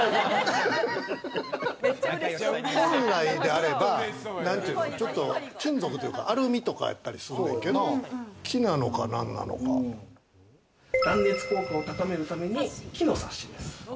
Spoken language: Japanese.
本来であれば金属というか、アルミとかやったりすんねんけれども、木なのか何断熱効果を高めるために、木のサッシです。